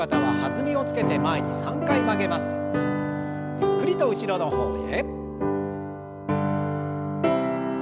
ゆっくりと後ろの方へ。